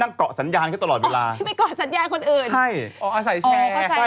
เพื่อเขาไปเปลี่ยนเผื่อค่ายโทรศัพท์